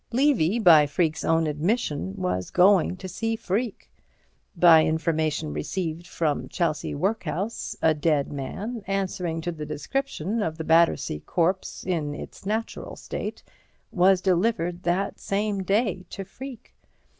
Levy, by Freke's own admission, was going to see Freke. By information received from Chelsea workhouse a dead man, answering to the description of the Battersea corpse in its natural state, was delivered that same day to Freke.